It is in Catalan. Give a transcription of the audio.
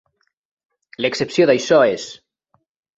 L'excepció d'això és.